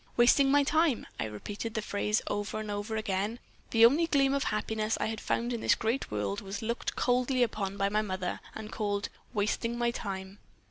"'Wasting my time.' I repeated that phrase over and over again. The only gleam of happiness I had found in this great world was looked coldly upon by my mother, and called 'wasting my time.'